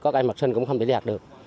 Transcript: có cái mặt sân cũng không thể đi hạt được